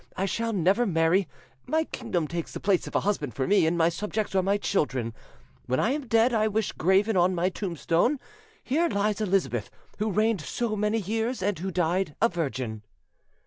I shall never marry; my kingdom takes the place of a husband for me, and my subjects are my children. When I am dead, I wish graven on my tombstone: 'Here lies Elizabeth, who reigned so many years, and who died a virgin.